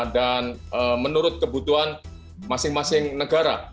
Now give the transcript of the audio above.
dan menurut kebutuhan masing masing negara